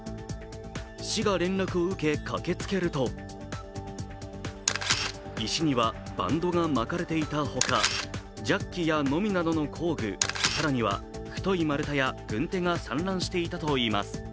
市が連絡を受け、駆けつけると石にはバンドが巻かれていたほか、ジャッキやノミなどの工具、更には太い丸太や軍手が散乱していたといいます。